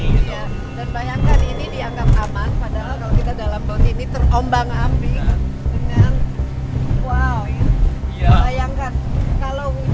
dan bayangkan ini dianggap aman padahal kalau kita dalam bus ini terombang ambing